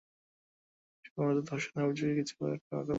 শুধুমাত্র ধর্ষণের অভিযোগে কিছু একটা হতে পারে।